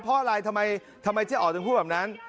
เพราะอะไรทำไมเจ๊อ๋อถึงพูดแบบนั้น